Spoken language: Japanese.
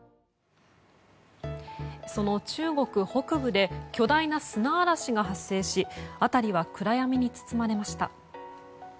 その中国北部で巨大な砂嵐が発生し辺りは暗闇に包まれました。